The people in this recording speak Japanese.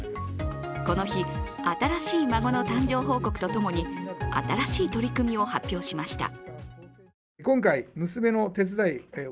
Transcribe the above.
この日、新しい孫の誕生報告とともに新しい取り組みを発表しました。